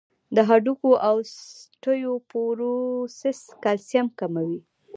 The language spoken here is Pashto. د هډوکو اوسټيوپوروسس کلسیم کموي.